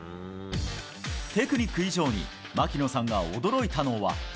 テクニック以上に、槙野さんが驚いたのは。